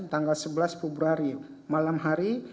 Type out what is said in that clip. tanggal sebelas februari malam hari